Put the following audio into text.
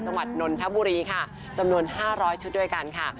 นนทบุรีค่ะจำนวน๕๐๐ชุดด้วยกันค่ะ